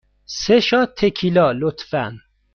سه شات تکیلا، لطفاً.